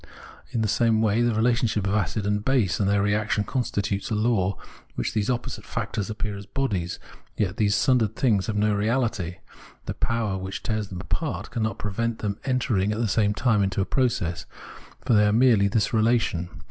In the same way, the relationship of acid and base and their reaction constitute a law in which these opposite factors appear as bodies. Yet these sundered things have no reaUty ; the power which tears them apart cannot prevent them entering at the same time into a process ; for they are merely this relation.